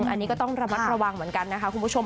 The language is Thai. อันนี้ก็ต้องระมัดระวังเหมือนกันนะคะคุณผู้ชม